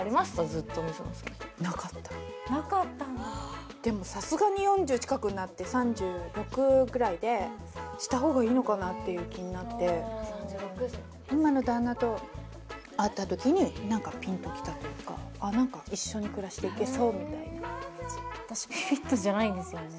ずっと水野さんなかったんだでもさすがに４０近くになって３６ぐらいでした方がいいのかなっていう気になってあっ何か一緒に暮らしていけそうみたいな私ビビッとじゃないんですよね